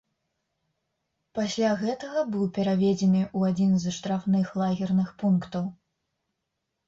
Пасля гэтага быў пераведзены ў адзін з штрафных лагерных пунктаў.